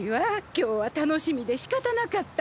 今日は楽しみでしかたなかったの。